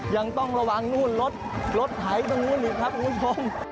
ยังต้องระวังรถไถ้ตรงนู้นนะครับคุณผู้ชม